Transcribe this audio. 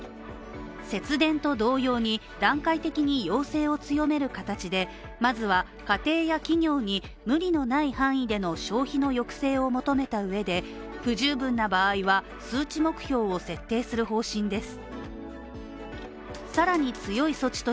節電と同様に段階的に要請を強める形で、まずは家庭や企業に無理のない範囲での消費の抑制を求めたうえで、不十分な場合は数値目標を設定する方針です。